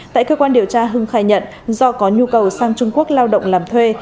tại cơ quan điều tra hưng khai nhận do có nhu cầu sang trung quốc lao động làm thuê